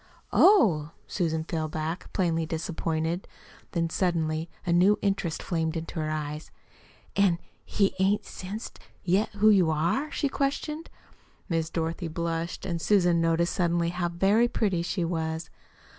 "Oh!" Susan fell back, plainly disappointed. Then, suddenly, a new interest flamed into her eyes. "An' he ain't sensed yet who you are?" she questioned. Miss Dorothy blushed, and Susan noticed suddenly how very pretty she was.